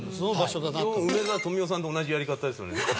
基本梅沢富美男さんと同じやり方ですよね。